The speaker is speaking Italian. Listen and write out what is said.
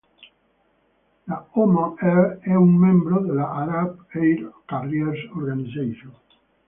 La Oman Air è un membro della Arab Air Carriers Organization.